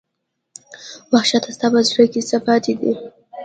وحشته ستا په زړه کې څـه پاتې دي